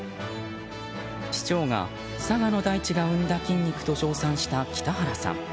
市長が佐賀の大地が生んだ筋肉と称賛した北原さん。